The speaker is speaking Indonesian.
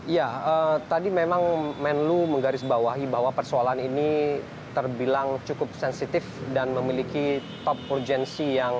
ya tadi memang menlu menggarisbawahi bahwa persoalan ini terbilang cukup sensitif dan memiliki top urgensi yang paling tinggi antara kedua negara